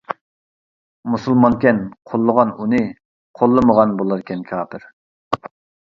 مۇسۇلمانكەن قوللىغان ئۇنى، قوللىمىغان بولاركەن كاپىر.